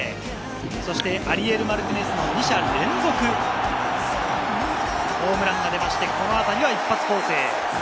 そしてアリエル・マルティネスの２者連続ホームランが出て、このあたりは一発攻勢。